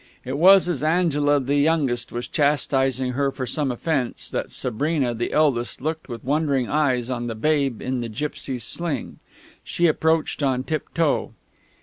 It was as Angela, the youngest, was chastising her for some offence, that Sabrina, the eldest, looked with wondering eyes on the babe in the gipsy's sling. She approached on tiptoe.